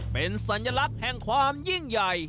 เป็นสัญลักษณ์แห่งความยิ่งใหญ่